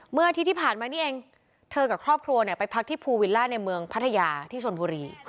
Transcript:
อาทิตย์ที่ผ่านมานี่เองเธอกับครอบครัวไปพักที่ภูวิลล่าในเมืองพัทยาที่ชนบุรี